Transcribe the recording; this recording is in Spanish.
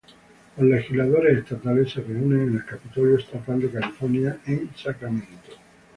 Los legisladores estatales se reúnen en el Capitolio Estatal de California en Sacramento.